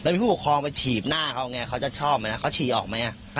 มีผู้ปกครองไปถีบหน้าเขาไงเขาจะชอบไหมนะเขาฉี่ออกไหม